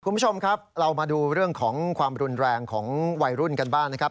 คุณผู้ชมครับเรามาดูเรื่องของความรุนแรงของวัยรุ่นกันบ้างนะครับ